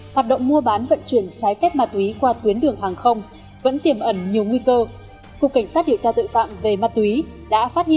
hãy đăng ký kênh để ủng hộ kênh của chúng mình nhé